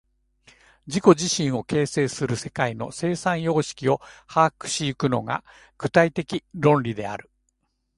自己自身を形成する世界の生産様式を把握し行くのが、具体的論理である。